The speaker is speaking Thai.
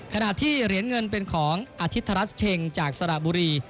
ขณะที่เหรียญเงินเป็นของอาทิตรัชเชงจากสระบุรี